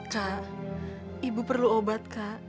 kak ibu perlu obat kak